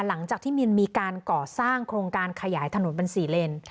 หลังจากที่มินมีการก่อสร้างโครงการขยายถนนเป็น๔เลน